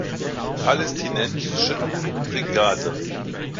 Palästinensischen Brigade.